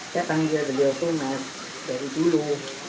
saya panggil beliau tuh mas dari dulu